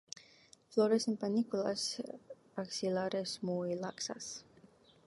Flores en panículas axilares muy laxas.